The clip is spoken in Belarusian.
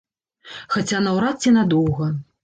Хаця наўрад ці надоўга.